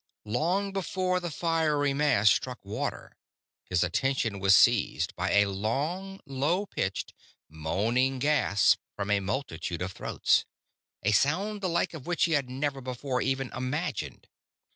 Long before the fiery mass struck water his attention was seized by a long, low pitched, moaning gasp from a multitude of throats; a sound the like of which he had never before even imagined.